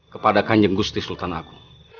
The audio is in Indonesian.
kepada kanjung gusti sultan aku